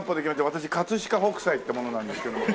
私飾北斎って者なんですけどもよろしく。